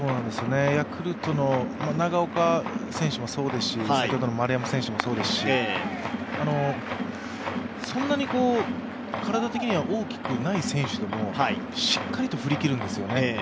ヤクルトの長岡選手もそうですし先ほどの丸山選手もそうですし、そんなに体的には大きくない選手でもしっかりと振り切るんですよね。